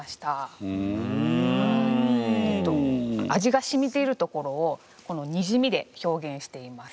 味がしみているところをこのにじみで表現しています。